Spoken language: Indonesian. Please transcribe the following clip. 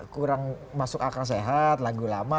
kurang masuk akal sehat lagu lama